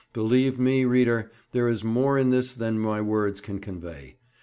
Believe me, reader, there is more in this than my words can convey.